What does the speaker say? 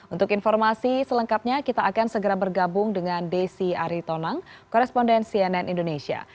untuk informasi selengkapnya kita akan segera bergabung dengan desi aritonang koresponden cnn indonesia